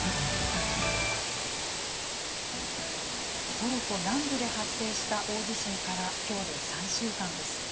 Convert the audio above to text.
トルコ南部で発生した大地震から今日で３週間です。